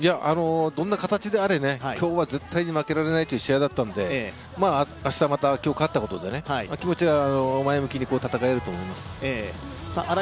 どんな形であれ、今日は絶対に負けられないという試合だったので明日また、今日勝ったことで気持ちが前向きに戦えると思います。